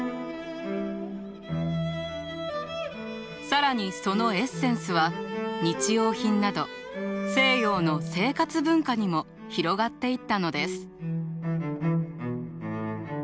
更にそのエッセンスは日用品など西洋の生活文化にも広がっていったのです。